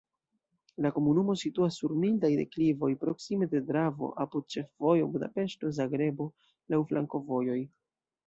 La komunumo situas sur mildaj deklivoj, proksime de Dravo, apud ĉefvojo Budapeŝto-Zagrebo, laŭ flankovojoj.